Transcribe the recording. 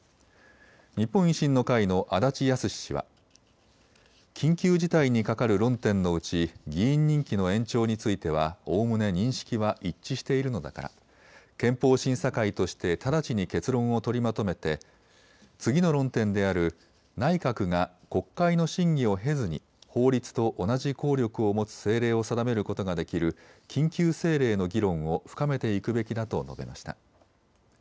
日本維新の会の足立康史氏は緊急事態にかかる論点のうち議員任期の延長についてはおおむね認識は一致しているのだから憲法審査会として直ちに結論を取りまとめて次の論点である内閣が国会の審議を経ずに法律と同じ効力を持つ政令を定めることができる緊急政令の議論を深めていくべきだと述べました。